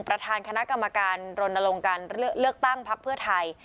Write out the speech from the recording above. ประธานคณะกรรมการรณลงการเลือกตั้งพักเพื่อไทย